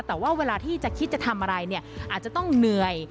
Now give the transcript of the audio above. แต่ว่าเวลาที่จะคิดจะทำอะไรเนี่ยอาจจะต้องเหนื่อย